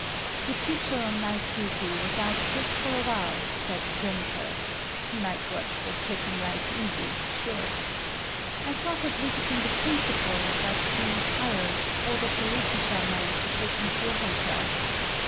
The teacher on night duty was out just for a while, said the janitor,—the night watch was taking life easy, sure. I thought of visiting the principal, but being tired, ordered the rikishaman to take me to a hotel.